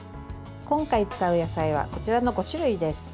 今回使う野菜はこちらの５種類です。